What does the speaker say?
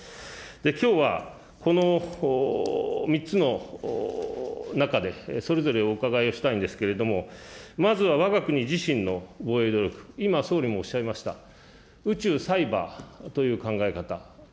きょうは、この３つの中で、それぞれお伺いをしたいんですけれども、まずはわが国自身の防衛努力、今総理もおっしゃいました、宇宙、サイバーという考え方。